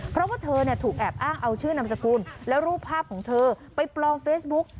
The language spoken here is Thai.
เพราะว่าเธอถูกแอบอ้างเอาชื่อนามสกุลและรูปภาพของเธอไปปลอมเฟซบุ๊ก